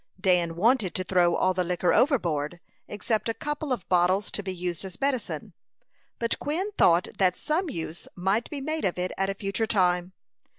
Dan wanted to throw all the liquor overboard, except a couple of bottles to be used as medicine; but Quin thought that some use might be made of it at a future time.